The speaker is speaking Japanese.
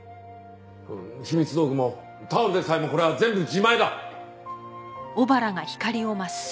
秘密道具もタオルでさえもこれは全部自前だ。